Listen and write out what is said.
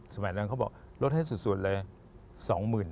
สมัยนั้นเขาบอกลดให้สุดเลย